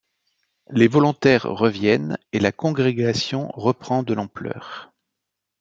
Les volontaires reviennent, et la congrégation reprend de l'ampleur.